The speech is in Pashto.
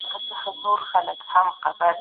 په الله تعالی توکل وکړئ.